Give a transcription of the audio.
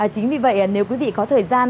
chính vì vậy nếu quý vị có thời gian